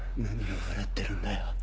何を笑ってるんだよ。